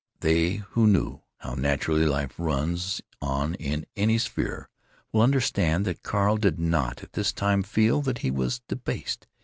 They who know how naturally life runs on in any sphere will understand that Carl did not at the time feel that he was debased.